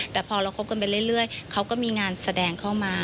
แต่พอเราคบกันไปเรื่อยเขาก็มีงานแสดงเข้ามา